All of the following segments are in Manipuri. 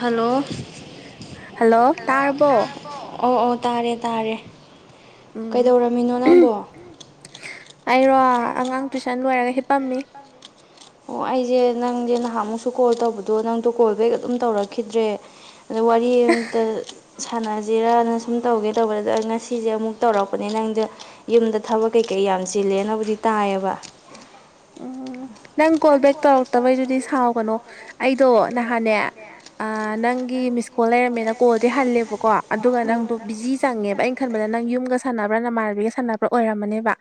ꯍꯜꯂꯣ ꯍꯜꯂꯣ ꯇꯥꯔ ꯑꯣ ꯑꯣ ꯇꯥꯔꯦ ꯇꯥꯔꯦ ꯀꯩꯗꯧꯔꯝꯃꯤꯅꯣ ꯅꯪꯕꯣ꯫ ꯑꯩꯔꯣ ꯑꯉꯥꯡ ꯇꯨꯏꯁꯟ ꯂꯣꯏꯔꯒ ꯍꯤꯞꯄꯝꯃꯤ꯫ ꯑꯣ ꯑꯩꯖꯦ ꯅꯪꯖꯦ ꯅꯍꯥꯟꯃꯨꯛꯁꯨ ꯀꯣꯜ ꯇꯧꯕꯗꯣ ꯅꯪꯗꯣ ꯀꯣꯜ ꯕꯦꯛ ꯑꯗꯨꯝ ꯇꯧꯔꯛꯈꯤꯗ꯭ꯔꯦ꯫ ꯗ ꯋꯥꯔꯤ ꯑꯝꯇ ꯁꯥꯟꯅꯖꯤꯔꯅ ꯁꯨꯝ ꯇꯧꯒꯦ ꯇꯧꯕꯅꯦ ꯑꯗꯣ ꯑꯩ ꯉꯁꯤꯖꯦ ꯑꯃꯨꯛ ꯇꯧꯔꯛꯄꯅꯦ ꯅꯪꯗ ꯌꯨꯝꯗ ꯊꯕꯛ ꯀꯩꯀꯩ ꯌꯥꯝ ꯆꯤꯜꯂꯦꯅꯕꯨꯗꯤ ꯇꯥꯏꯌꯦꯕ꯫ ꯎꯝ ꯅꯪ ꯀꯣꯜ ꯕꯦꯛ ꯇꯧꯔꯛꯇꯕꯩꯗꯨꯗꯤ ꯁꯥꯎꯒꯅꯣ꯫ ꯑꯩꯗꯣ ꯅꯍꯥꯟꯅꯦ ꯅꯪꯒꯤ ꯃꯤꯁꯀꯣꯜ ꯂꯩꯔꯝꯃꯦꯅ ꯀꯣꯜꯗꯤ ꯍꯜꯂꯦꯕꯀꯣ ꯑꯗꯨꯒ ꯅꯪꯗꯣ ꯕꯤꯖꯤ ꯆꯪꯉꯦꯕ ꯑꯩꯅ ꯈꯟꯕꯗ ꯅꯪ ꯌꯨꯝꯒ ꯁꯥꯟꯅꯕ꯭ꯔꯥ ꯅꯃꯥꯟꯅꯕꯤꯒ ꯁꯥꯟꯅꯕ꯭ꯔꯥ ꯑꯣꯏꯔꯝꯃꯅꯦꯕ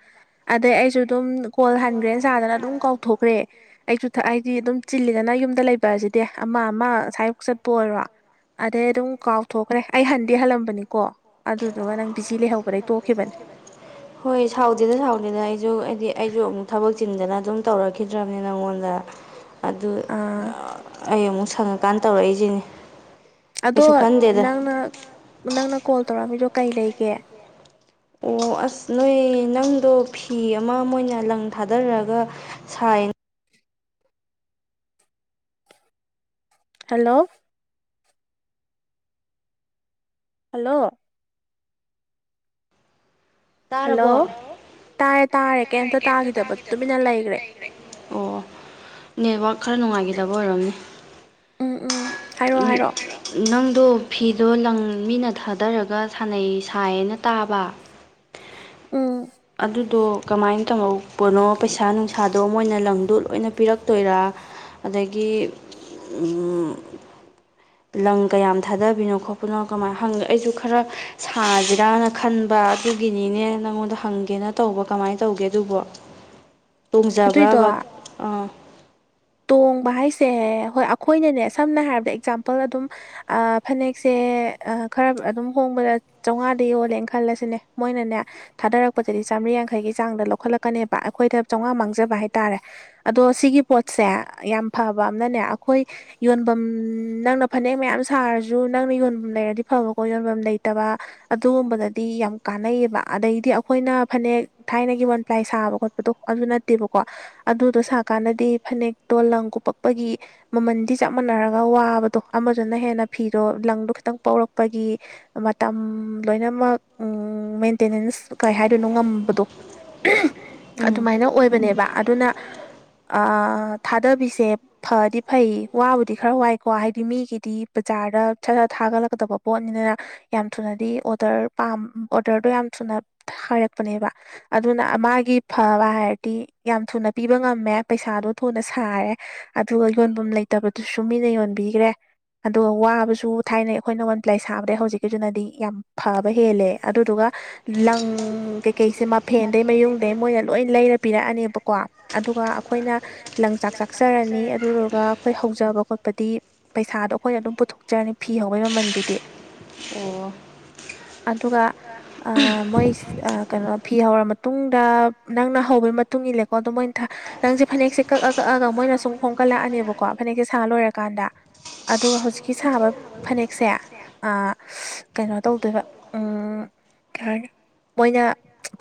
ꯑꯗꯩ ꯑꯩꯁꯨ ꯑꯗꯨꯝ ꯀꯣꯜ ꯍꯟꯈ꯭ꯔꯦꯅ ꯁꯥꯗꯅ ꯑꯗꯨꯝ ꯀꯥꯎꯊꯣꯛꯈ꯭ꯔꯦ ꯑꯩꯁꯨ ꯍꯥꯏꯗꯤ ꯑꯗꯨꯝ ꯆꯤꯜꯂꯤꯗꯅ ꯌꯨꯝꯗ ꯂꯩꯕ ꯑꯁꯤꯗꯤ ꯑꯃ ꯑꯃ ꯑꯁꯥꯏꯌꯨꯛ ꯆꯠꯄ ꯑꯣꯏꯔꯣ ꯑꯗꯩ ꯑꯗꯨꯝ ꯀꯥꯎꯊꯣꯛꯈ꯭ꯔꯦ ꯑꯩ ꯍꯟꯗꯤ ꯍꯜꯂꯝꯕꯅꯤꯀꯣ ꯑꯗꯨꯗꯨꯒ ꯅꯪ ꯕꯤꯖꯤ ꯂꯩꯍꯧꯕꯗꯩ ꯇꯣꯛꯈꯤꯕꯅꯦ ꯍꯣꯏ ꯁꯥꯎꯗꯦꯗ ꯁꯥꯎꯗꯦꯗ ꯑꯩꯁꯨ ꯍꯥꯏꯗꯤ ꯑꯩꯁꯨ ꯑꯃꯨꯛ ꯊꯕꯛ ꯆꯤꯟꯗꯅ ꯑꯗꯨꯝ ꯇꯧꯔꯛꯈꯤꯗ꯭ꯔꯕꯅꯤ ꯅꯪꯉꯣꯟꯗ ꯑꯗꯨ ꯑꯥ ꯑꯩ ꯑꯃꯨꯛ ꯁꯪꯉꯀꯥꯟꯗ ꯇꯧꯔꯛꯏꯁꯤꯅꯦ ꯑꯗꯣ ꯅꯪꯅ ꯅꯪꯅ ꯀꯣꯜ ꯇꯧꯔꯛꯑꯃꯤꯗꯣ ꯀꯩ ꯂꯩꯒꯦ ꯑꯣ ꯑꯁ ꯅꯣꯏ ꯅꯪꯗꯣ ꯐꯤ ꯑꯃ ꯃꯣꯏꯅ ꯂꯪ ꯊꯥꯗꯔꯒ ꯁꯥꯌꯦ ꯍꯜꯂꯣ ꯍꯜꯂꯣ ꯍꯜꯂꯣ ꯇꯥꯔꯦ ꯇꯥꯔꯦ ꯔꯦ ꯀꯩꯝꯇ ꯇꯥꯈꯤꯗꯕ ꯇꯨꯃꯤꯟꯅ ꯂꯩꯈ꯭ꯔꯦ ꯑꯣ ꯅꯦꯠꯋꯥꯛꯛ ꯈꯔ ꯅꯨꯡꯉꯥꯏꯈꯤꯗꯕ ꯑꯣꯏꯔꯝꯅꯤ ꯎꯝ ꯎꯝ ꯍꯥꯏꯔꯛꯑꯣ ꯍꯥꯏꯔꯛꯑꯣ ꯅꯪꯗꯣ ꯐꯤꯗꯣ ꯂꯪ ꯃꯤꯅ ꯊꯥꯗꯔꯒ ꯁꯥꯥꯟꯅꯩ ꯁꯥꯏꯌꯦꯅ ꯇꯥꯕ ꯎꯝ ꯑꯗꯨꯗꯣ ꯀꯃꯥꯏꯅ ꯇꯧꯍꯧꯕꯅꯣ ꯄꯩꯁꯥ ꯅꯨꯡꯁꯥꯗꯣ ꯃꯣꯏꯅ ꯂꯪꯗꯣ ꯂꯣꯏꯅ ꯄꯤꯔꯛꯇꯣꯏꯔꯥ ꯑꯗꯒꯤ ꯂꯪ ꯀꯌꯥꯝ ꯊꯥꯗꯕꯤꯅꯣ ꯈꯣꯠꯄꯅꯣ ꯀꯃꯥꯏꯅ ꯍꯪꯒꯦ ꯑꯩꯁꯨ ꯈꯔ ꯁꯥꯁꯤꯔꯥꯅ ꯈꯟꯕ ꯑꯗꯨꯒꯤꯅꯤꯅꯦ ꯅꯪꯉꯣꯟꯗ ꯍꯪ ꯒꯦꯅ ꯇꯧꯕ ꯀꯃꯥꯏꯅ ꯇꯧꯒꯦ ꯑꯗꯨꯕꯣ ꯑꯗꯨꯏꯗꯣ ꯇꯣꯡꯖꯕ꯭ꯔꯕ ꯑꯥ ꯇꯣꯡꯕ ꯍꯥꯏꯁꯦ ꯍꯣꯏ ꯑꯩꯈꯣꯏꯅꯅꯦ ꯁꯝꯅ ꯍꯥꯏꯔꯕꯗ ꯑꯦꯛꯖꯥꯝꯄꯜ ꯑꯗꯨꯝ ꯑꯥ ꯐꯅꯦꯛꯁꯦ ꯑ ꯈꯔ ꯑꯗꯨꯝ ꯍꯣꯡꯕꯗ ꯆꯥꯝꯃꯉꯥꯗ ꯌꯣꯜꯂꯦꯅ ꯈꯜꯂꯁꯤꯅꯦ ꯃꯣꯏꯅꯅꯦ ꯊꯥꯗꯔꯛꯄꯗꯗꯤ ꯆꯥꯝꯃꯔꯤ ꯌꯥꯡꯈꯩꯒꯤ ꯆꯥꯡꯗ ꯂꯧꯈꯠꯂꯛꯀꯅꯦꯕ ꯑꯩꯈꯣꯏꯗ ꯆꯥꯝꯃꯉꯥ ꯃꯥꯡꯖꯕ ꯍꯥꯏꯇꯥꯔꯦ ꯑꯗꯣ ꯁꯤꯒꯤ ꯄꯣꯠꯁꯦ ꯌꯥꯝ ꯐꯕ ꯑꯃꯅꯅꯦ ꯑꯩꯈꯣꯏ ꯌꯣꯟꯐꯝ ꯅꯪꯅ ꯐꯅꯦꯛ ꯃꯌꯥꯝ ꯁꯥꯔꯁꯨ ꯅꯪꯅ ꯌꯣꯟꯐꯝ ꯂꯩꯔꯗꯤ ꯐꯕꯀꯣ ꯌꯣꯟꯐꯝ ꯂꯩꯇꯕ ꯑꯗꯨꯒꯨꯝꯕꯗꯗꯤ ꯌꯥꯝ ꯀꯥꯟꯅꯩꯑꯕ ꯑꯗꯩꯗꯤ ꯑꯩꯈꯣꯏꯅ ꯐꯅꯦꯛ ꯊꯥꯏꯅꯒꯤ ꯋꯥꯟ ꯄ꯭ꯂꯥꯏ ꯁꯥꯕ ꯈꯣꯠꯄ ꯑꯗꯣ ꯑꯗꯨ ꯅꯠꯇꯦꯕꯀꯣ ꯑꯗꯨꯗꯣ ꯁꯥꯀꯥꯟꯗꯗꯤ ꯐꯅꯦꯛꯇꯣ ꯂꯪ ꯀꯨꯞꯄꯛꯄꯒꯤ ꯃꯃꯟꯗꯤ ꯆꯞ ꯃꯥꯟꯅꯔꯒ ꯋꯥꯕꯗꯣ ꯑꯃꯗꯨꯅ ꯍꯦꯟꯅ ꯐꯤꯗꯣ ꯂꯪꯗꯣ ꯈꯤꯇꯪ ꯄꯧꯔꯛꯄꯒꯤ ꯃꯇꯝ ꯂꯣꯏꯅꯃꯛ ꯎꯝ ꯃꯦꯟꯇꯦꯅꯦꯟꯁ ꯀꯩ ꯍꯥꯏꯗꯣꯏꯅꯣ ꯉꯝꯕꯗꯣ ꯎꯝ ꯑꯗꯨꯃꯥꯏꯅ ꯑꯣꯏꯕꯅꯦꯕ ꯑꯗꯨꯅ ꯊꯥꯗꯕꯤꯁꯦ ꯐꯗꯤ ꯐꯩ ꯋꯥꯕꯨꯗꯤ ꯈꯔ ꯋꯥꯏꯀꯣ ꯍꯥꯏꯗꯤ ꯃꯤꯒꯤꯗꯤ ꯕꯖꯥꯔꯗ ꯁꯠ ꯁꯠ ꯊꯥꯒꯠꯂꯛꯀꯗꯕ ꯄꯣꯠꯅꯤꯗꯅ ꯌꯥꯝ ꯊꯨꯅꯗꯤ ꯑꯣꯗꯔ ꯄꯥꯝ ꯑꯣꯗꯔꯗꯣ ꯌꯥꯝ ꯊꯨꯅ ꯍꯥꯏꯔꯛꯄꯅꯦꯕ ꯑꯗꯨꯅ ꯃꯥꯒꯤ ꯐꯕ ꯍꯥꯏꯔꯗꯤ ꯌꯥꯝ ꯊꯨꯅ ꯄꯤꯕ ꯉꯝꯃꯦ ꯄꯩꯁꯥꯗꯣ ꯊꯨꯅ ꯁꯥꯔꯦ ꯑꯗꯨꯒ ꯌꯣꯟꯐꯝ ꯂꯩꯇꯕꯗꯨꯁꯨ ꯃꯤꯅ ꯌꯣꯟꯕꯤꯈ꯭ꯔꯦ ꯑꯗꯣ ꯋꯥꯕꯁꯨ ꯊꯥꯏꯅꯩ ꯑꯩꯈꯣꯏꯅ ꯋꯥꯟ ꯄ꯭ꯂꯥꯏ ꯁꯥꯕꯗꯩ ꯍꯧꯖꯤꯛꯀꯤꯗꯨꯅꯗꯤ ꯌꯥꯝ ꯐꯕ ꯍꯦꯜꯂꯦ ꯑꯗꯨꯗꯨꯒ ꯂꯪ ꯀꯩꯀꯩꯁꯦ ꯃꯐꯦꯟꯗꯩ ꯃꯌꯨꯡꯗꯩ ꯃꯣꯏ ꯂꯣꯏ ꯂꯩꯔ ꯄꯤꯔꯛꯑꯅꯦꯕꯀꯣ ꯑꯗꯨꯒ ꯑꯩꯈꯣꯏꯅ ꯂꯪ ꯆꯥꯛ ꯆꯥꯛꯆꯔꯅꯤ ꯑꯗꯨꯗꯨꯒ ꯑꯩꯈꯣꯏ ꯍꯧꯖꯕ ꯈꯣꯠꯄꯗꯤ ꯄꯩꯁꯥꯗꯣ ꯑꯩꯈꯣꯏꯅ ꯑꯗꯨꯝ ꯄꯨꯊꯣꯛꯆꯔꯅꯤ ꯐꯤ ꯍꯧꯕꯩ ꯃꯃꯜꯗꯨꯗꯤ ꯑꯣ ꯑꯗꯨꯒ ꯃꯣꯏ ꯑ ꯀꯩꯅꯣ ꯐꯤ ꯍꯧꯔ ꯃꯇꯨꯡꯗ ꯅꯪꯅ ꯍꯧꯕꯩ ꯃꯇꯨꯡ ꯏꯜꯂꯦꯀꯣ ꯑꯗꯨ ꯃꯣꯏꯅ ꯊ ꯅꯪꯁꯦ ꯐꯅꯦꯛꯁꯦ ꯀꯛꯑ ꯀꯛꯑꯒ ꯃꯣꯏꯅ ꯁꯨꯝ ꯈꯣꯝꯒꯠꯂꯛꯑꯅꯦꯕꯀꯣ ꯐꯅꯦꯛꯁꯦ ꯁꯥ ꯂꯣꯏꯔꯀꯥꯟꯗ ꯑꯗꯨꯒ ꯍꯧꯖꯤꯛꯀꯤ ꯁꯥꯕ ꯐꯅꯦꯛꯁꯦ ꯑ ꯀꯩꯅꯣ ꯇꯧꯗꯣꯏꯕ ꯎ ꯃꯣꯏꯅ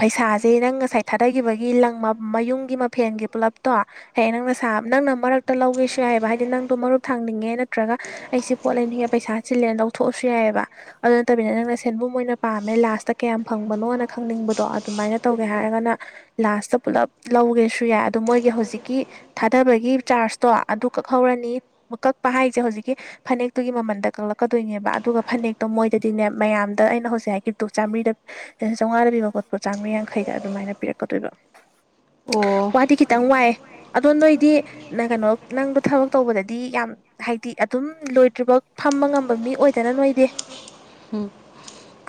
ꯄꯩꯁꯥꯁꯦ ꯅꯪ ꯉꯁꯥꯏ ꯊꯥꯗꯈꯤꯕꯒꯤ ꯂꯪ ꯃ ꯃꯌꯨꯝꯒꯤ ꯃꯐꯦꯟꯒꯤ ꯄꯨꯂꯞꯇꯣ ꯍꯌꯦ ꯅꯪꯅ ꯁꯥꯕ ꯅꯪꯅ ꯃꯔꯛꯇ ꯂꯧꯒꯦꯁꯨ ꯌꯥꯏꯌꯦꯕ ꯍꯥꯏꯗꯤ ꯅꯪꯗꯣ ꯃꯔꯨꯞ ꯊꯥꯡꯅꯤꯡꯉꯦ ꯅꯠꯇ꯭ꯔꯒ ꯑꯩꯁꯤ ꯄꯣꯠ ꯂꯩꯅꯤꯡꯉꯦ ꯄꯩꯁꯥ ꯆꯤꯜꯂꯦꯅ ꯂꯧꯊꯣꯛꯑꯁꯨ ꯌꯥꯏꯌꯦꯕ ꯑꯗꯨ ꯅꯠꯇꯕꯤꯅ ꯅꯪꯅ ꯁꯦꯟꯕꯨꯝ ꯑꯣꯏꯅ ꯄꯥꯝꯃꯦ ꯂꯥꯁꯇ ꯀꯌꯥꯝ ꯐꯪꯕꯅꯣꯅ ꯈꯪꯅꯤꯡꯕꯗꯣ ꯑꯗꯨꯃꯥꯏꯅ ꯇꯧꯒꯦ ꯍꯥꯏꯔꯒꯅ ꯂꯥꯁꯇ ꯄꯨꯂꯞ ꯂꯧꯒꯦꯁꯨ ꯌꯥꯏ ꯑꯗꯣ ꯃꯣꯏꯒꯤ ꯍꯧꯖꯤꯛ ꯀꯤ ꯊꯥꯗꯕꯒꯤ ꯆꯥꯔꯖꯇꯣ ꯑꯗꯨ ꯀꯛꯍꯧꯔꯅꯤ ꯀꯛꯄ ꯍꯥꯏꯁꯦ ꯍꯧꯖꯤꯛꯀꯤ ꯐꯅꯦꯛꯇꯨꯒꯤ ꯃꯃꯟꯗ ꯀꯛꯂꯛꯀꯗꯣꯏꯅꯦꯕ ꯑꯗꯨꯒ ꯐꯅꯦꯛꯇꯣ ꯃꯣꯏꯗꯗꯤꯅꯦ ꯃꯌꯥꯝꯗ ꯑꯩꯅ ꯍꯧꯖꯤꯛ ꯍꯥꯏꯈꯤ ꯇꯣꯛ ꯆꯥꯝꯃꯔꯤꯗ ꯆꯧꯉꯥꯗ ꯄꯤꯕ ꯄꯣꯠꯄ ꯆꯝꯃꯔꯤ ꯌꯥꯡꯈꯩꯗ ꯑꯗꯨꯃꯥꯏꯅ ꯄꯤꯔꯛꯀꯗꯣꯏꯕ ꯑꯣ ꯋꯥꯗꯤ ꯈꯤꯇꯪ ꯋꯥꯏ ꯑꯗꯣ ꯅꯣꯏꯗꯤ ꯅ ꯀꯩꯅꯣ ꯅꯪꯗꯣ ꯊꯕꯛ ꯇꯧꯕꯗꯗꯤ ꯌꯥꯝ ꯍꯥꯏꯗꯤ ꯑꯗꯨꯝ ꯂꯣꯏꯗ꯭ꯔꯤꯕꯧ ꯐꯝꯕ ꯉꯝꯕ ꯃꯤ ꯑꯣꯏꯗꯅ ꯅꯣꯏꯗꯤ ꯎꯝ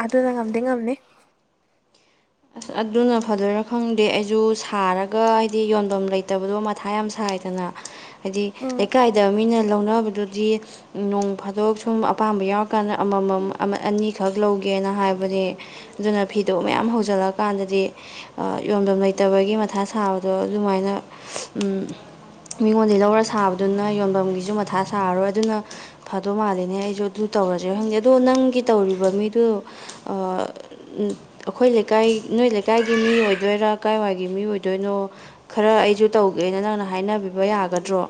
ꯑꯗꯨꯅ ꯉꯝꯗꯤ ꯉꯝꯅꯤ ꯑꯁ ꯑꯗꯨꯅ ꯐꯗꯣꯏꯔꯥ ꯈꯪꯗꯦ ꯑꯩꯁꯨ ꯁꯥꯔꯒ ꯍꯥꯏꯗꯤ ꯌꯣꯟꯐꯝ ꯂꯩꯇꯕꯗꯣ ꯃꯊꯥ ꯌꯥꯝ ꯁꯥꯏ ꯗꯅ ꯍꯥꯏꯗꯤ ꯎꯝ ꯂꯩꯀꯥꯏꯗ ꯃꯤꯅ ꯂꯧꯅꯕꯗꯨꯗꯤ ꯅꯣꯡ ꯐꯥꯗꯣꯛ ꯁꯨꯝ ꯑꯄꯥꯝꯕ ꯌꯥꯎꯔꯀꯥꯟꯗ ꯑꯃꯃꯝ ꯑꯃ ꯑꯅꯤꯈꯛ ꯂꯧꯒꯦꯅ ꯍꯥꯏꯕꯅꯦ ꯑꯗꯨꯅ ꯐꯤꯗꯣ ꯃꯌꯥꯝ ꯍꯧꯖꯤꯜꯂꯛ ꯀꯥꯟꯗꯗꯤ ꯑ ꯌꯣꯟꯕꯝ ꯂꯩꯇꯕꯒꯤ ꯃꯊꯥ ꯁꯥꯕꯗꯣ ꯑꯗꯨꯃꯥꯏꯅ ꯎꯝ ꯃꯤꯉꯣꯟꯗꯩ ꯂꯧꯔ ꯁꯥꯕꯗꯨꯅ ꯌꯣꯟꯐꯝꯒꯤꯁꯨ ꯃꯊꯥ ꯁꯥꯔꯔꯣꯏ ꯑꯗꯨꯅ ꯐꯥꯗꯧ ꯃꯥꯂꯦꯅꯦ ꯑꯩꯁꯨ ꯑꯗꯨ ꯇꯧꯔꯁꯦ ꯈꯪꯗꯦ ꯑꯗꯣ ꯅꯪꯒꯤ ꯇꯧꯔꯤꯕ ꯃꯤꯗꯨ ꯑ ꯑꯈꯣꯏ ꯂꯩꯀꯥꯏ ꯅꯣꯏ ꯂꯩꯀꯥꯏꯒꯤ ꯃꯤ ꯑꯣꯏꯗꯣꯏꯔꯥ ꯀꯥꯏꯋꯥꯏꯒꯤ ꯃꯤ ꯑꯣꯏꯗꯣꯏꯅꯣ ꯈꯔ ꯑꯩꯁꯨ ꯇꯧꯒꯦꯅ ꯅꯪꯅ ꯍꯥꯏꯅꯕꯤꯕ ꯌꯥꯒꯗ꯭ꯔꯣ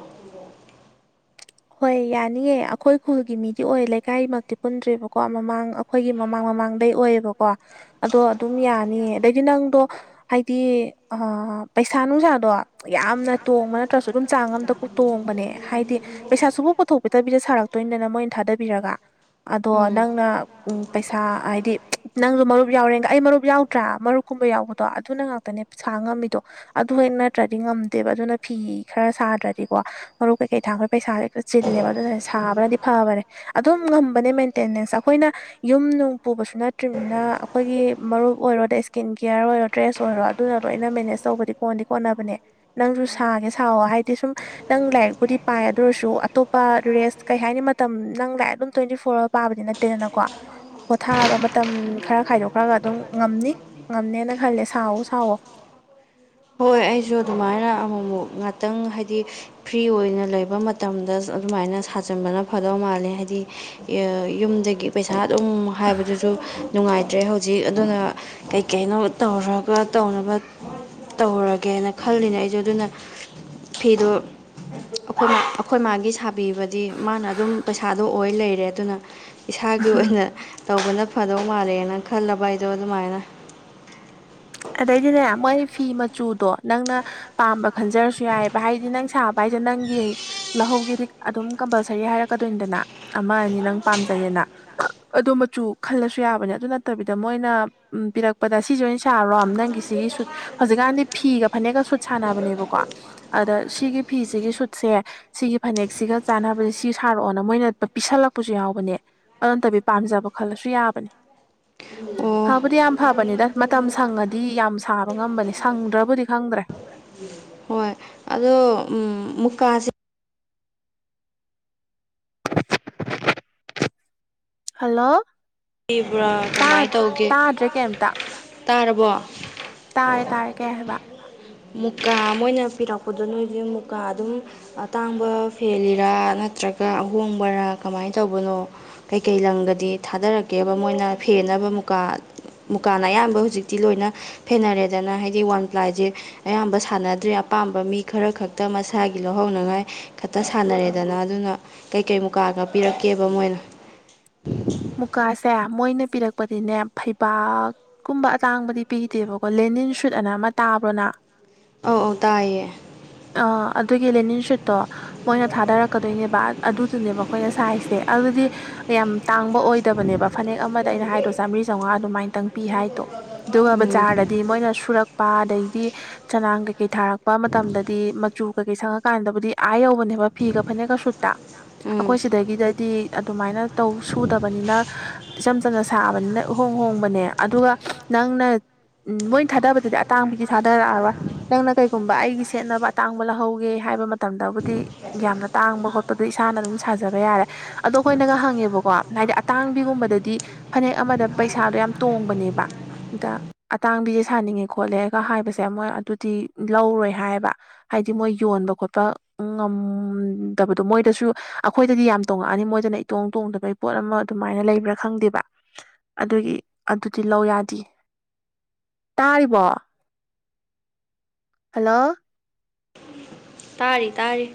ꯍꯣꯏ ꯌꯥꯅꯤꯉꯦ ꯑꯈꯣꯏ ꯈꯨꯜꯒꯤ ꯃꯤꯗꯤ ꯑꯣꯏ ꯂꯩꯀꯥꯏꯃꯛꯇꯤ ꯄꯨꯟꯗ꯭ꯔꯦꯕꯀꯣ ꯃꯃꯥꯡ ꯑꯈꯣꯏꯒꯤ ꯃꯃꯥꯡ ꯃꯃꯥꯡꯗꯩ ꯑꯣꯏꯌꯦꯕꯀꯣ ꯑꯗꯣ ꯑꯗꯨꯝ ꯌꯥꯅꯤꯌꯦ ꯑꯗꯩꯗꯤ ꯅꯪꯗꯣ ꯍꯥꯏꯗꯤ ꯍꯥ ꯄꯩꯁꯥ ꯅꯨꯡꯁꯥꯗꯣ ꯌꯥꯝꯅ ꯇꯣꯡꯕ ꯅꯠꯇ꯭ꯔꯁꯨ ꯑꯗꯨꯝ ꯆꯥꯡ ꯑꯝꯗ ꯇꯣꯡꯕꯅꯦ ꯍꯥꯏꯗꯤ ꯄꯩꯁꯥꯁꯨꯐꯕꯨ ꯄꯨꯊꯣꯛꯄꯤꯇꯕꯤꯗ ꯁꯥꯔꯛꯇꯣꯏꯗꯅ ꯃꯣꯏꯅ ꯊꯥꯗꯕꯤꯔꯒ ꯑꯗꯣ ꯎꯝ ꯅꯪꯅ ꯎ ꯄꯩꯁꯥ ꯍꯥꯏꯗꯤ ꯅꯪꯁꯨ ꯃꯔꯨꯞ ꯌꯥꯎꯔꯦꯡꯒ ꯑꯩ ꯃꯔꯨꯞ ꯌꯥꯎꯗ꯭ꯔꯥ ꯃꯔꯨꯞ ꯀꯨꯝꯕ ꯌꯥꯎꯕꯗꯣ ꯑꯗꯨꯅ ꯉꯥꯛꯇꯅꯦ ꯄꯩꯁꯥ ꯉꯝꯃꯤꯗꯣ ꯑꯗꯨ ꯍꯦꯛ ꯅꯠꯇ꯭ꯔꯗꯤ ꯉꯝꯗꯦꯕ ꯑꯗꯨꯅ ꯐꯤ ꯈꯔ ꯁꯥꯗ꯭ꯔꯗꯤꯀꯣ ꯃꯔꯨꯞ ꯀꯩꯀꯩ ꯊꯥꯡꯒꯠ ꯄꯩꯁꯥ ꯍꯦꯛꯇ ꯆꯤꯜꯂꯦꯕ ꯑꯗꯨꯅ ꯁꯥꯕꯅꯗꯤ ꯐꯕꯅꯦ ꯑꯗꯨꯝ ꯉꯝꯕꯅꯦ ꯃꯦꯟꯇꯦꯅꯦꯟꯁ ꯑꯈꯣꯏꯅ ꯌꯨꯝ ꯅꯨꯡ ꯄꯨꯕꯁꯨ ꯅꯠꯇ꯭ꯔꯤꯝꯅ ꯑꯈꯣꯏꯒꯤ ꯃꯔꯨꯞ ꯑꯣꯏꯔꯣꯗ ꯏꯁꯀꯤꯟ ꯀꯤꯌꯥꯔ ꯑꯣꯏꯔꯣ ꯇ꯭ꯔꯦꯁ ꯑꯣꯏꯔꯣ ꯑꯗꯨꯅ ꯂꯣꯏꯅ ꯃꯦꯅꯦꯖ ꯇꯧꯕꯗꯤ ꯀꯣꯟꯗꯤ ꯀꯣꯟꯅꯕꯅꯦ ꯅꯪꯁꯨ ꯁꯥꯒꯦ ꯁꯥꯑꯣ ꯍꯥꯏꯗꯤ ꯁꯨꯝ ꯅꯪ ꯂꯥꯏꯔꯤꯛꯄꯨꯗꯤ ꯄꯥꯏ ꯑꯗꯨ ꯑꯣꯏꯔꯁꯨ ꯑꯇꯣꯞꯄ ꯔꯦꯁ ꯀꯩ ꯍꯥꯏꯅꯤ ꯃꯇꯝ ꯅꯪ ꯂꯥꯏꯛ ꯑꯗꯨꯝ ꯇ꯭ꯋꯦꯟꯇꯤ ꯐꯣꯔ ꯑꯋꯥꯔ ꯄꯥꯕꯗꯤ ꯅꯠꯇꯦꯗꯅꯀꯣ ꯄꯣꯊꯥꯕ ꯃꯇꯝ ꯈꯔ ꯈꯥꯏꯗꯣꯛꯈ꯭ꯔꯒ ꯑꯗꯨꯝ ꯉꯝꯅꯤ ꯉꯝꯅꯦꯅ ꯈꯜꯂꯦ ꯁꯥꯎꯋꯦ ꯁꯥꯎꯋꯦ ꯍꯣꯏ ꯑꯩꯁꯨ ꯑꯗꯨꯃꯥꯏꯅ ꯑꯃꯨꯛꯃꯨꯛ ꯉꯥꯛꯇꯪ ꯍꯥꯏꯗꯤ ꯐ꯭ꯔꯤ ꯑꯣꯏꯅ ꯂꯩꯕ ꯃꯇꯝꯗ ꯑꯗꯨꯃꯥꯏꯅ ꯁꯥꯖꯟꯕꯅ ꯐꯗꯧ ꯃꯥꯜꯂꯦ ꯍꯥꯏꯗꯤ ꯌꯨꯝꯗꯒꯤ ꯄꯩꯁꯥ ꯑꯗꯨꯝ ꯍꯥꯏꯕꯗꯨꯁꯨ ꯅꯨꯡꯉꯥꯏꯇ꯭ꯔꯦ ꯍꯧ ꯖꯤꯛ ꯑꯗꯨꯅ ꯀꯩꯀꯩꯅꯣ ꯇꯧꯔꯒ ꯇꯧꯅꯕ ꯇꯧꯔ ꯀꯦꯅ ꯈꯜꯂꯤꯅꯦ ꯑꯩꯁꯨ ꯑꯗꯨꯅ ꯐꯤꯗꯣ ꯑꯩꯈꯣꯏ ꯑꯩꯈꯣꯏ ꯃꯥꯒꯤ ꯁꯥꯕꯤꯕꯗꯤ ꯃꯥꯅ ꯑꯗꯨꯝ ꯄꯩꯁꯥꯗꯣ ꯑꯣꯏ ꯂꯩꯔꯦ ꯑꯗꯨꯅ ꯏꯁꯥꯒꯤ ꯑꯣꯏꯅ ꯇꯧꯕꯅ ꯐꯗꯧ ꯃꯥꯜꯂꯦꯅ ꯈꯜꯂꯕ ꯑꯩꯗꯣ ꯑꯗꯨꯃꯥꯏꯅ ꯑꯗꯩꯗꯤꯅꯦ ꯃꯣꯏ ꯐꯤ ꯃꯆꯨꯗꯣ ꯅꯪꯅ ꯄꯥꯝꯕ ꯈꯟꯖꯔꯁꯨ ꯌꯥꯏꯑꯕ ꯍꯥꯏꯗꯤ ꯅꯪ ꯁꯥꯕ ꯍꯥꯏꯁꯦ ꯅꯪꯒꯤ ꯂꯧꯍꯧꯒꯦꯗꯤ ꯑꯗꯨꯝ ꯀꯝꯄꯜꯁꯔꯤ ꯍꯥꯏꯔꯛꯀꯗꯣꯏꯅꯤꯗꯅ ꯑꯃ ꯑꯅꯤ ꯅꯪ ꯄꯥꯝꯖꯩꯌꯦꯅ ꯑꯗꯣ ꯃꯆꯨ ꯈꯜꯂꯁꯨ ꯌꯥꯕꯅꯦ ꯑꯗꯨ ꯅꯠꯇꯕꯤꯗ ꯃꯣꯏꯅ ꯎꯝ ꯄꯤꯔꯛꯄꯗ ꯁꯤꯁꯦ ꯑꯣꯏꯅ ꯁꯥꯔꯣ ꯅꯪꯒꯤꯁꯤꯒꯤ ꯁꯨꯠ ꯍꯧꯖꯤꯛꯀꯥꯟꯗꯤ ꯐꯤꯒ ꯐꯅꯦꯛꯀ ꯁꯨꯠ ꯁꯥꯟꯅꯕꯅꯦꯕꯀꯣ ꯑꯗ ꯁꯤꯒꯤ ꯐꯤꯁꯤꯒꯤ ꯁꯨꯠꯁꯦ ꯁꯤꯒꯤ ꯐꯅꯦꯛꯁꯤꯒ ꯆꯥꯟꯅꯕ ꯁꯤ ꯁꯥꯔꯛꯑꯣꯅ ꯃꯣꯏꯅ ꯄꯤꯁꯜꯂꯛꯄꯁꯨ ꯌꯥꯎꯕꯅꯦ ꯑꯗꯨ ꯅꯠꯇꯕꯤ ꯄꯥꯝꯖꯕ ꯈꯜꯂꯁꯨ ꯌꯥꯕꯅꯦ ꯑꯣ ꯐꯕꯨꯗꯤ ꯌꯥꯝ ꯐꯕꯅꯤꯗ ꯃꯇꯝ ꯁꯪꯉꯗꯤ ꯐꯤ ꯌꯥꯝ ꯁꯥꯕ ꯉꯝꯕꯅꯦ ꯁꯪꯗ꯭ꯔꯕꯨꯗꯤ ꯈꯪꯗ꯭ꯔꯦ ꯍꯣꯏ ꯑꯗꯣ ꯎꯝ ꯃꯨꯀꯥꯁꯦ [inaudible] ꯍꯜꯂꯣ ꯂꯩꯕ꯭ꯔꯥ ꯀꯃꯥꯏ ꯇꯥꯗ꯭ꯔ ꯇꯧꯒꯦ ꯇꯥꯗ꯭ꯔꯦ ꯀꯩꯝꯇ ꯇꯥꯔꯕꯣ ꯇꯥꯔꯦ ꯇꯥꯔꯦ ꯀꯩ ꯍꯥꯏꯕ ꯃꯨꯀꯥ ꯃꯣꯏꯅ ꯄꯤꯔꯛꯄꯗꯣ ꯅꯣꯏꯗꯤ ꯃꯨꯀꯥ ꯑꯗꯨꯝ ꯑꯇꯥꯡꯕ ꯐꯦꯜꯂꯤꯔꯥ ꯅꯠꯇ꯭ꯔꯒ ꯑꯍꯣꯡꯕꯔꯥ ꯀꯃꯥꯏ ꯇꯧꯕꯅꯣ ꯀꯩꯀꯩ ꯂꯪꯒꯗꯤ ꯊꯥꯗꯔꯛꯀꯦꯕ ꯃꯣꯏꯅ ꯐꯦꯟꯅꯕ ꯃꯨꯀꯥ ꯃꯨꯀꯥꯅ ꯑꯌꯥꯝꯕ ꯍꯧꯖꯤꯛꯇꯤ ꯂꯣꯏꯅ ꯐꯦꯟꯅꯔꯦꯗꯅ ꯍꯥꯏꯗꯤ ꯋꯥꯟ ꯄ꯭ꯂꯥꯏꯖꯦ ꯑꯌꯥꯝꯕ ꯁꯥꯟꯅꯗ꯭ꯔꯦ ꯑꯄꯥꯝꯕ ꯃꯤ ꯈꯔ ꯈꯛꯇ ꯃꯁꯥꯒꯤ ꯂꯧꯍꯧꯅꯉꯥꯏ ꯈꯠꯇ ꯁꯥꯟꯅꯔꯦꯗꯅ ꯑꯗꯨꯅ ꯀꯩꯀꯩ ꯃꯨꯀꯥꯒ ꯄꯤꯔꯛꯀꯦꯕ ꯃꯣꯏꯅ ꯃꯨꯀꯥꯁꯦ ꯃꯣꯏꯅ ꯄꯤꯔꯛꯄꯗꯤꯅꯦ ꯐꯩꯕꯥꯛ ꯀꯨꯝꯕ ꯑꯇꯥꯡꯕꯗꯤ ꯄꯤꯗꯦꯕꯀꯣ ꯂꯦꯅꯤꯟ ꯁꯨꯠ ꯑꯅ ꯑꯃ ꯇꯥꯕ꯭ꯔꯣ ꯅꯪ ꯑꯧ ꯑꯧ ꯇꯥꯏꯌꯦ ꯑ ꯑꯗꯨꯒꯤ ꯂꯦꯅꯤꯟ ꯁꯨꯠꯇꯣ ꯃꯣꯏꯅ ꯊꯥꯗꯔꯛꯀꯗꯣꯏꯅꯦꯕ ꯑꯗꯨꯗꯨꯅꯦꯕ ꯑꯩꯈꯣꯏꯅ ꯁꯥꯏꯁꯦ ꯑꯗꯨꯗꯤ ꯌꯥꯝ ꯇꯥꯡ ꯑꯣꯏꯗꯕꯅꯦꯕ ꯐꯅꯦꯛ ꯑꯃꯗ ꯑꯩꯅ ꯍꯥꯏꯗ꯭ꯔꯣ ꯆꯃ꯭ꯔꯤ ꯆꯧꯉꯥ ꯑꯗꯨꯃꯥꯏꯇꯪ ꯄꯤ ꯍꯥꯏꯗꯣ ꯑꯗꯨꯒ ꯎꯝ ꯕꯖꯥꯔꯗ ꯗꯤ ꯃꯣꯏꯅ ꯁꯨꯔꯛꯄ ꯑꯗꯩꯗꯤ ꯆꯅꯥꯡ ꯀꯩꯀꯩ ꯊꯥꯔꯛꯄ ꯃꯇꯝꯗꯗꯤ ꯃꯆꯨ ꯀꯩꯀꯩ ꯁꯪꯉꯀꯥꯟꯗꯕꯨꯗꯤ ꯑꯥ ꯌꯧꯕꯅꯦꯕ ꯐꯤꯒ ꯐꯅꯦꯛꯀ ꯁꯨꯠꯇ ꯎꯝ ꯑꯈꯣꯏ ꯁꯤꯗꯒꯤꯗꯗꯤ ꯑꯗꯨꯃꯥꯏꯅ ꯇꯧ ꯁꯨꯗꯕꯅꯤꯅ ꯏꯆꯝ ꯆꯝꯅ ꯁꯥꯕꯅꯤꯅ ꯎꯍꯣꯡ ꯍꯣꯡꯕꯅꯦ ꯑꯗꯨꯒ ꯅꯪꯅ ꯎꯝ ꯃꯣꯏ ꯊꯥꯗꯕꯗꯗꯤ ꯑꯇꯥꯡꯕꯤꯗꯤ ꯊꯥꯗꯔꯛꯑꯔꯣꯏ ꯅꯪꯅ ꯀꯩꯒꯨꯝꯕ ꯑꯩꯒꯤ ꯁꯦꯠꯅꯕ ꯑꯇꯥꯡꯕ ꯂꯧꯍꯧꯒꯦ ꯍꯥꯏꯕ ꯃꯇꯝꯗꯕꯨꯗꯤ ꯌꯥꯝꯅ ꯇꯥꯡꯕ ꯈꯣꯠꯄꯗꯤ ꯏꯁꯥꯅ ꯑꯗꯨꯝ ꯁꯥꯖꯕ ꯌꯥꯔꯦ ꯑꯗꯣ ꯑꯩꯈꯣꯏꯅꯒ ꯍꯪꯉꯦꯕꯀꯣ ꯍꯥꯏꯗꯤ ꯑꯇꯥꯡꯕꯤꯒꯨꯝꯕꯗꯗꯤ ꯐꯅꯦꯛ ꯑꯃꯗ ꯄꯩꯁꯥꯗꯣ ꯌꯥꯝ ꯇꯣꯡꯕꯅꯦꯕ ꯗ ꯑꯇꯥꯡꯕꯤꯁꯦ ꯁꯥꯅꯤꯡꯉꯦ ꯈꯣꯠꯂꯦꯒ ꯍꯥꯏꯕꯁꯦ ꯃꯣꯏ ꯑꯗꯨꯗꯤ ꯂꯧꯔꯣꯏ ꯍꯥꯏꯌꯦꯕ ꯍꯥꯏꯗꯤ ꯃꯣꯏ ꯌꯣꯟꯕ ꯈꯣꯠꯄ ꯉꯝꯗꯕꯗꯨ ꯃꯣꯏꯗꯁꯨ ꯑꯩꯈꯣꯏꯗꯗꯤ ꯌꯥꯝ ꯇꯣꯡꯉꯛꯑꯅꯤ ꯃꯣꯏꯗꯅ ꯇꯣꯡ ꯇꯣꯡꯗꯕꯩ ꯄꯣꯠ ꯑꯃ ꯑꯗꯨꯃꯥꯏꯅ ꯂꯩꯕ꯭ꯔꯥ ꯈꯪꯗꯦꯕ ꯑꯗꯨꯒꯤ ꯑꯗꯨꯗꯤ ꯂꯧ ꯌꯥꯗꯤꯑꯦ ꯇꯥꯔꯤꯕꯣ ꯍꯜꯂꯣ ꯇꯥꯔꯤ ꯇꯥꯔꯤ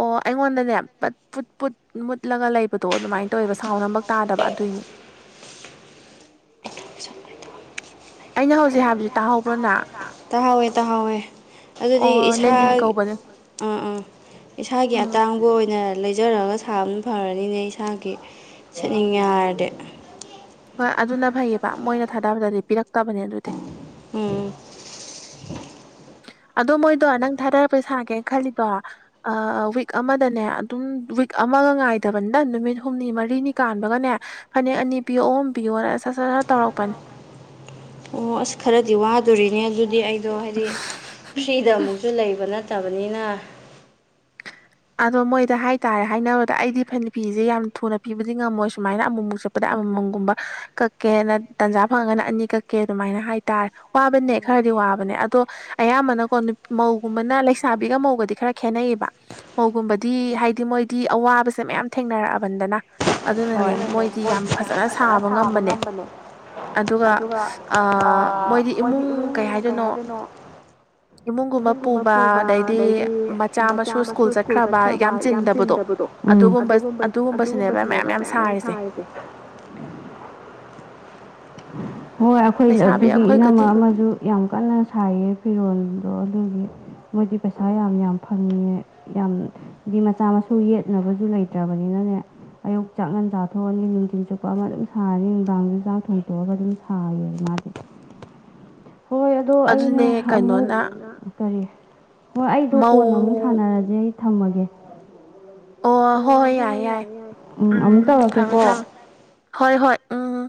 ꯑꯣ ꯑꯩꯉꯣꯟꯗꯅꯦ ꯄꯠ ꯄꯨꯠ-ꯄꯨꯠ ꯃꯨꯠꯂꯒ ꯂꯩꯕꯗꯣ ꯑꯗꯨꯃꯥꯏꯅ ꯇꯧꯌꯦꯕ ꯁꯥꯎꯟ ꯑꯃꯕꯛ ꯇꯥꯗꯕ ꯑꯗꯨꯏꯅꯤ ꯑꯩꯅ ꯍꯧꯖꯤꯛ ꯍꯥꯏ [unintelligible] ꯇꯥꯍꯥꯎꯋꯦ ꯇꯥꯍꯥꯎꯋꯦ ꯑꯗꯨꯗꯤ ꯑꯣ ꯏꯁꯥ ꯂꯦꯟꯗꯤꯟ ꯀꯧꯕꯅꯦ ꯑ ꯑ ꯏꯁꯥꯒꯤ ꯎꯝ ꯑꯇꯥꯡꯕ ꯑꯣꯏꯅ ꯂꯩꯖꯔꯒ ꯁꯥꯕꯅ ꯐꯥꯔꯅꯤꯅꯦ ꯏꯁꯥꯒꯤ ꯁꯦꯠꯅꯤꯡꯉꯦ ꯍꯥꯏꯔꯗꯤ ꯍꯣꯏ ꯑꯗꯨꯅ ꯐꯩꯌꯦꯕ ꯃꯣꯏꯅ ꯊꯥꯗꯕꯗꯗꯤ ꯄꯤꯔꯛꯇꯕꯅꯦ ꯑꯗꯨꯗꯤ ꯎꯝ ꯑꯗꯣ ꯃꯣꯏꯗꯣ ꯅꯪ ꯊꯥꯔꯛꯄ ꯁꯥꯔꯛꯀꯦ ꯈꯜꯂꯤꯗꯣ ꯑꯥ ꯋꯤꯛ ꯑꯃꯗꯅꯦ ꯑꯗꯨꯝ ꯋꯤꯛ ꯑꯃꯒ ꯉꯥꯏꯗꯕꯅꯤꯗ ꯅꯪ ꯅꯨꯃꯤꯠ ꯍꯨꯝꯅꯤ ꯃꯔꯤꯅꯤ ꯀꯥꯟꯕꯒꯅꯦ ꯐꯅꯦꯛ ꯑꯅꯤ ꯄꯤꯌꯣ ꯑꯍꯨꯝ ꯄꯤꯌꯣꯅ ꯁꯠ ꯁꯠ ꯇꯧꯔꯛꯄꯅꯦ ꯑꯣ ꯑꯁ ꯈꯔꯗꯤ ꯋꯥꯗꯣꯔꯤꯅꯦ ꯑꯗꯨꯗꯤ ꯑꯩꯗꯣ ꯍꯥꯏꯗꯤ ꯐ꯭ꯔꯤꯗ ꯑꯃꯨꯛꯁꯨ ꯂꯩꯕ ꯅꯠ ꯇꯕꯅꯤꯅ [inaudible] ꯑꯗꯣ ꯃꯣꯏꯗ ꯍꯥꯏꯇꯥꯔꯦ ꯍꯥꯏꯅꯕꯗ ꯑꯩꯗꯤ ꯐꯅꯤ ꯐꯤꯁꯦ ꯌꯥꯝ ꯊꯨꯅ ꯄꯤꯕꯗꯤ ꯉꯝꯃꯣꯏ ꯁꯨꯃꯥꯏꯅ ꯑꯃꯨꯛ ꯃꯨꯛ ꯆꯠꯄ ꯄꯗ ꯑꯃ ꯃꯝꯒꯨꯝꯕ ꯀꯛꯀꯦꯅ ꯇꯟꯖꯥ ꯐꯪꯉꯥꯒꯅ ꯑꯅꯤ ꯀꯛꯀꯦ ꯑꯗꯨꯃꯥꯏꯅ ꯍꯥꯏꯇꯥꯔꯦ ꯋꯥꯕꯅꯦ ꯈꯔꯗꯤ ꯋꯥꯕꯅꯦ ꯑꯗꯣ ꯑꯌꯥꯝꯕꯅꯀꯣ ꯅꯨ ꯃꯧꯒꯨꯝꯕꯅ ꯂꯩꯁꯥꯕꯤꯒ ꯃꯧꯒꯗꯤ ꯈꯔ ꯈꯦꯠꯅꯩꯕ ꯃꯧꯒꯨꯝꯕꯗꯤ ꯍꯥꯏꯗꯤ ꯃꯣꯏꯗꯤ ꯑꯋꯥꯕꯁꯦ ꯃꯌꯥꯝ ꯊꯦꯡꯅꯔꯛꯑꯕꯅꯤꯗꯅ ꯑꯗꯨꯅꯅꯦ ꯃꯣꯏꯗꯤ ꯌꯥꯝ ꯐꯖꯅ ꯁꯥꯕ ꯉꯝꯕꯅꯦ ꯑꯗꯨꯒ ꯑꯥ ꯃꯣꯏꯗꯤ ꯏꯃꯨꯡ ꯀꯩ ꯍꯥꯏꯗꯣꯏꯅꯣ ꯏꯃꯨꯡꯒꯨꯝꯕ ꯄꯨꯕ ꯑꯗꯩꯗꯤ ꯃꯆꯥ ꯃꯁꯨ ꯁꯨ ꯁ꯭ꯀꯨꯜ ꯆꯠꯈ꯭ꯔꯕ ꯌꯥꯝ ꯆꯤꯟꯗꯕꯗꯣ ꯎꯝ ꯑꯗꯨꯒꯨꯝꯕ ꯑꯗꯨꯒꯨꯝꯕꯁꯤꯅꯦꯕ ꯃꯌꯥꯝ ꯃꯌꯥꯝ ꯁꯥꯔꯤꯁꯦ [inaudible] ꯍꯣꯏ ꯑꯩꯈꯣꯏ ꯂꯩꯁꯥꯕꯤ [unintelligible] ꯒꯤ ꯑꯩꯈꯣꯏꯒꯗꯤ ꯏꯅꯝꯃ ꯑꯃꯁꯨ ꯌꯥꯝ ꯀꯟꯅ ꯁꯥꯏꯌꯦ ꯐꯤꯔꯣꯜꯗꯣ ꯑꯗꯨꯒꯤ ꯃꯣꯏꯗꯤ ꯄꯩꯁꯥ ꯌꯥꯝ ꯌꯥꯝ ꯐꯪꯉꯦ ꯌꯥꯝꯅ ꯗꯤ ꯃꯆꯥ ꯃꯁꯨ ꯌꯦꯠꯅꯕꯁꯨ ꯂꯩꯇ꯭ꯔꯕꯅꯤꯅꯅꯦ ꯑꯌꯨꯛ ꯆꯥꯛ ꯉꯟ ꯆꯥꯊꯣꯛꯑꯅꯤ ꯅꯨꯡꯊꯤꯟ ꯆꯨ ꯄ ꯑꯃ ꯑꯗꯨꯝ ꯁꯥꯔꯅꯤ ꯅꯨꯡꯗꯥꯡꯁꯨ ꯆꯥꯛ ꯊꯣꯡꯇꯣꯛꯑꯒ ꯑꯗꯨꯝ ꯁꯥꯕꯅꯤ ꯃꯥꯗꯤ ꯍꯣꯏ ꯑꯗꯣ ꯑꯩꯅꯦ ꯑꯗꯨꯅꯦ ꯑꯃꯨꯛ ꯀꯩꯅꯣꯅ ꯀꯔꯤ ꯍꯣꯏ ꯑꯩꯗꯣ ꯀꯣꯟꯅ ꯑꯃꯨꯛ ꯃꯧ ꯁꯥꯟꯅꯔꯁꯦ ꯑꯩ ꯊꯝꯃꯒꯦ ꯑꯣ ꯍꯣꯏ ꯍꯣꯏ ꯌꯥꯏ ꯌꯥꯏ ꯑꯃꯨꯛ ꯎꯝ ꯊꯝꯃꯦ ꯇꯧꯔꯛꯀꯦꯀꯣ ꯊꯝꯃꯦ ꯍꯣꯏ ꯍꯣꯏ ꯎꯝ